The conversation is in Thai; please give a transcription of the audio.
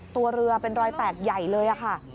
ตัวเรือเป็นรอยแตกใหญ่เลยค่ะ